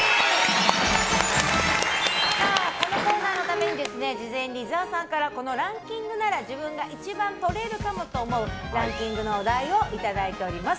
このコーナーのために事前に伊沢さんからこのランキングなら自分が１番をとれるかもと思うランキングのお題をいただいております。